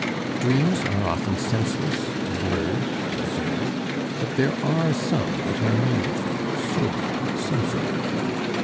Dreams are often senseless, blurred, absurd; but there are some that are meaningful, sober, sensible.